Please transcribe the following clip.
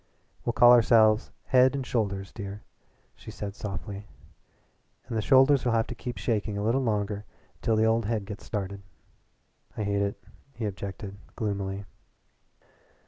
"We'll call ourselves Head and Shoulders, dear," she said softly, "and the shoulders'll have to keep shaking a little longer until the old head gets started." "I hate it," he objected gloomily.